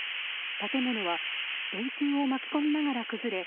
建物は電柱を巻き込みながら崩れ